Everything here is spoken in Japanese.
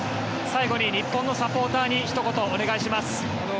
最後に日本のサポーターにひと言お願いします。